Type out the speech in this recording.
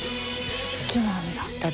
好きなんだ。